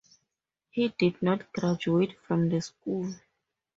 He did not graduate from the school.